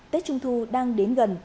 tết trung thu đang đến gần